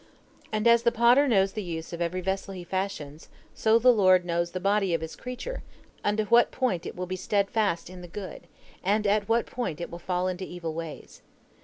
And as the potter knows the use of every vessel he fashions, so the Lord knows the body of His creature, unto what point it will be steadfast in the good, and at what point it will fall into evil ways.